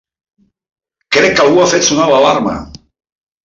Crec que algú ha fet sonar l'alarma!